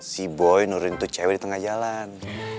si boy nurin itu cewek di tengah jalan